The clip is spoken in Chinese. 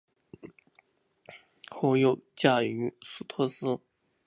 后又嫁予苏托斯。